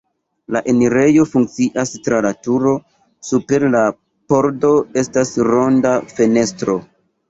La enirejo funkcias tra la turo, super la pordo estas ronda fenestro.